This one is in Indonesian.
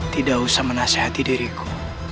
tidak usah menasehati diriku